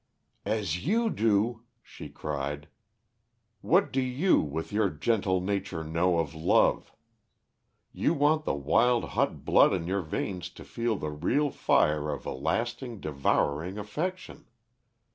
"As you do?" she cried. "What do you with your gentle nature know of love? You want the wild hot blood in your veins to feel the real fire of a lasting, devouring affection.